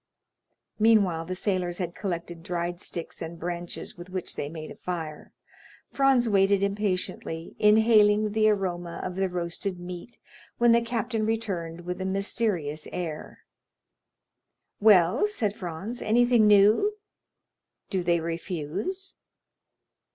Meanwhile the sailors had collected dried sticks and branches with which they made a fire. Franz waited impatiently, inhaling the aroma of the roasted meat, when the captain returned with a mysterious air. "Well," said Franz, "anything new?—do they refuse?"